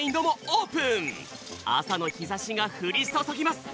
朝のひざしがふりそそぎます。